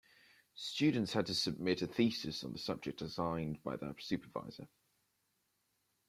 Students had to submit a thesis on a subject assigned by their supervisor.